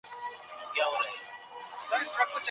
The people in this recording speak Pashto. تاسو به د هر چا سره په انصاف چلیږئ.